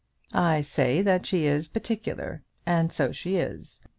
"I say that she is particular; and so she is.